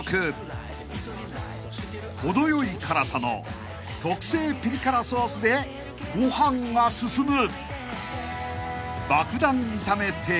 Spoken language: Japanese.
［程よい辛さの特製ピリ辛ソースでご飯が進む］